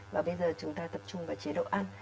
và bây giờ chúng ta tập trung vào chế độ ăn